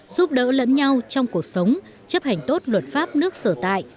giúp đỡ lẫn nhau trong cuộc sống chấp hành tốt luật pháp nước sở tại